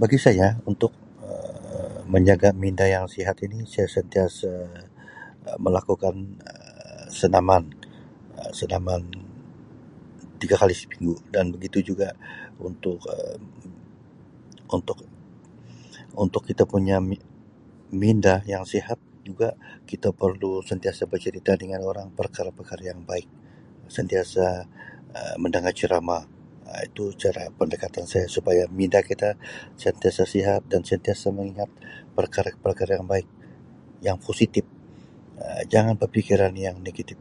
Bagi saya untuk Um menjaga minda yang sihat ini saya sentiasa Um melakukan Um senaman Um senaman tiga kali seminggu dan begitu juga untuk Um untuk untuk kita punya mi-minda yang sihat juga kita perlu sentiasa bercerita dengan orang perkara-perkara yang baik sentiasa Um mendengar ceramah Um itu cara pendekatan saya supaya minda kita sentiasa sihat dan sentiasa mengingat perkara-perkara yang baik yang positif Um jangan berfikiran yang negatif.